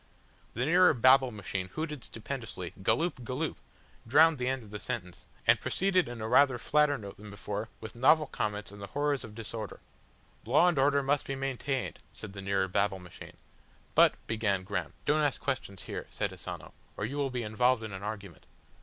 The nearer Babble Machine hooted stupendously, "Galloop, Galloop," drowned the end of the sentence, and proceeded in a rather flatter note than before with novel comments on the horrors of disorder. "Law and order must be maintained," said the nearer Babble Machine. "But," began Graham. "Don't ask questions here," said Asano, "or you will be involved in an argument."